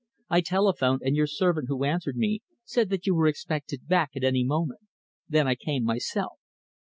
I telephoned, and your servant, who answered me, said that you were expected back at any moment. Then I came myself."